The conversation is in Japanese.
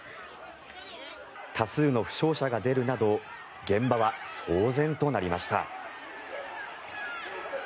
多数の負傷者が出るなど現場は騒然となりました。